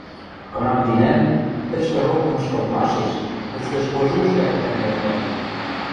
Кынам-тинӓм тӹштӹ рок мышкылтмашеш вӹцкӹж кож укшвлӓ пӹтӹрнӓлт лӓктӹт